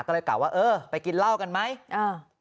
ก็เลยกลับว่าเออไปกินเหล้ากันไหมอ่า